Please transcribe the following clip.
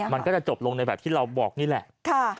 มันก็จะจบลงในแบบที่เราบอกนี่แหละ